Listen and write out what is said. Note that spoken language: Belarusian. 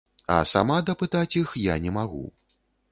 А сама дапытаць іх я не магу.